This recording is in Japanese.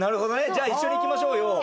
「じゃあ一緒に行きましょうよ」を。